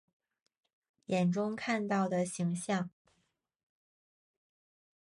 眼中看到的形象